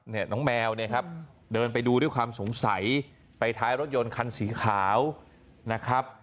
น้องแมวเนี่ยครับเดินไปดูด้วยความสงสัยไปท้ายรถยนต์คันสีขาวนะครับ